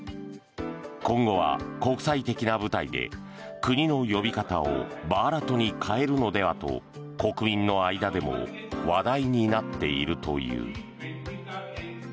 今後は国際的な舞台で国の呼び方をバーラトに変えるのではと国民の間でも話題になっているという。